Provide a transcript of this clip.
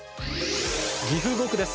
岐阜５区です。